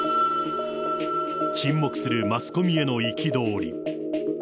沈黙するマスコミへの憤り。